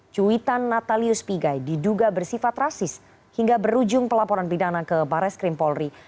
cuitan natalius pigai diduga bersifat rasis hingga berujung pelaporan pidana ke bares krim polri